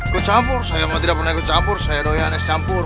kecampur saya mah tidak pernah kecampur saya doyan es campur